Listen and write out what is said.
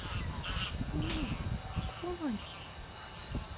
もう来ないんですか。